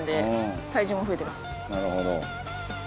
「なるほど」